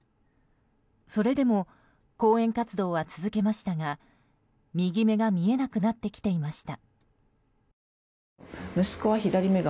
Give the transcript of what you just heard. それでも講演活動は続けましたが右目が見えなくなってきていました。